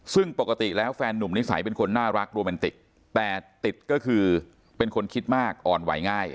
ซึ่งปกติแล้วแฟนนุ่มนิสัยเป็นคนน่ารักโรแมนติกแต่ติดก็คือเป็นคนคิดมากอ่อนไหวง่าย